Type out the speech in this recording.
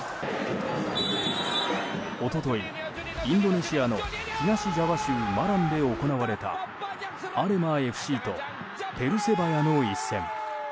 一昨日、インドネシアの東ジャワ州マランで行われたアレマＦＣとペルセバヤの一戦。